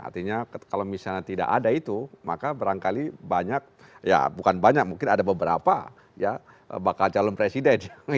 artinya kalau misalnya tidak ada itu maka berangkali banyak ya bukan banyak mungkin ada beberapa bakal calon presiden